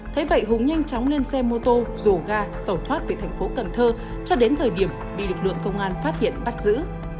thế vậy hùng nhanh chóng lên xe mô tô rổ ga tẩu thoát về thành phố cần thơ cho đến thời điểm bị lực lượng công an phát hiện bắt giữ